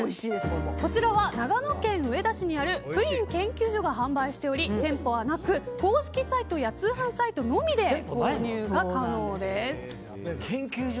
こちらは長野県上田市にあるプリン研究所が販売しており店舗はなく公式サイトや通販サイトのみで購入が可能です。